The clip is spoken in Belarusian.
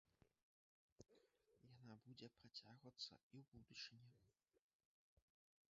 Яна будзе працягвацца і ў будучыні.